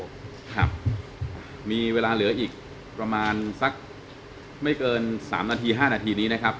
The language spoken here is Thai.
ครับมีเวลาเหลืออีกประมาณสักไม่เกินสามนาทีห้านาทีนี้นะครับ